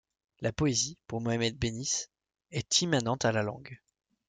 La poésie, pour Mohammed Bennis, est immanente à la langue.